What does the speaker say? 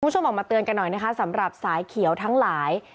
คุณผู้ชมออกมาเตือนกันหน่อยนะคะสำหรับสายเขียวทั้งหลาย